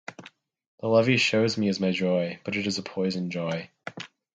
The love he shows me is my joy, but it is a poisoned joy.